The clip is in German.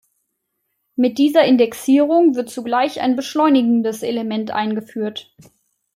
Mit dieser Indexierung wird zugleich ein beschleunigendes Element eingeführt.